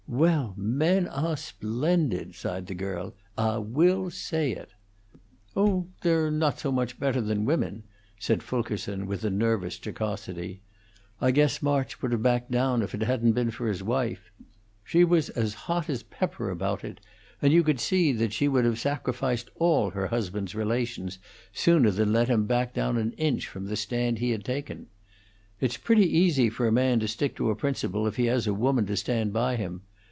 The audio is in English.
"Well, men awe splendid," sighed the girl. "Ah will say it." "Oh, they're not so much better than women," said Fulkerson, with a nervous jocosity. "I guess March would have backed down if it hadn't been for his wife. She was as hot as pepper about it, and you could see that she would have sacrificed all her husband's relations sooner than let him back down an inch from the stand he had taken. It's pretty easy for a man to stick to a principle if he has a woman to stand by him.